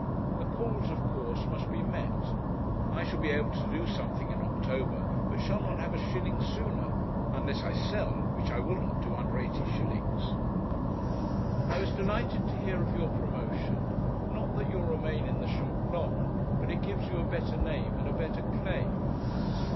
The calls, of course, must be met; I shall be able to do something in October, but shall not have a shilling sooner unless I sell, which I will not do under 80s. 'I was delighted to hear of your promotion; not that you'll remain in the shop long, but it gives you a better name and a better claim.